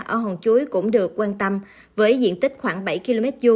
ở hòn chuối cũng được quan tâm